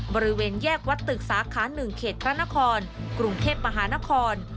บริเวณแยกวัดตึกสาขา๑เขตพระนครกรุงเทพมหานคร